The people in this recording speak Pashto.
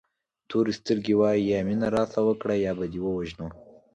تورې سترګې وایي یا مینه راسره وکړه یا به دې ووژنو.